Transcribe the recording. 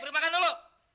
beri makan dulu